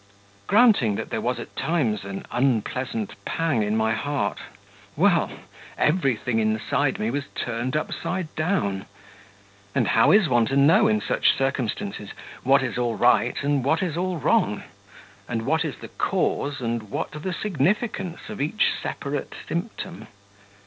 Granting that there was at times an unpleasant pang in my heart; well, everything inside me was turned upside down. And how is one to know in such circumstances, what is all right and what is all wrong? and what is the cause, and what the significance, of each separate symptom?